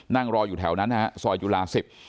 นั่งรออยู่แถวนั้นนะฮะซอยจุฬาสิบ